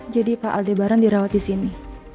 jadi pak aldi baran dirawat di sini